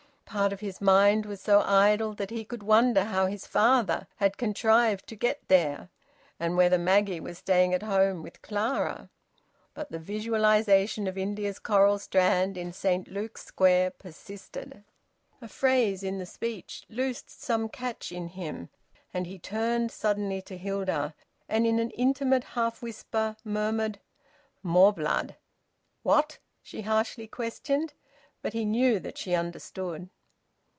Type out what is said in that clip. Part of his mind was so idle that he could wonder how his father had contrived to get there, and whether Maggie was staying at home with Clara. But the visualisation of India's coral strand in Saint Luke's Square persisted. A phrase in the speech loosed some catch in him and he turned suddenly to Hilda, and in an intimate half whisper murmured "More blood!" "What?" she harshly questioned. But he knew that she understood.